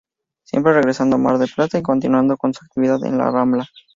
Siempre regresando a Mar del Plata y continuando con su actividad en la rambla.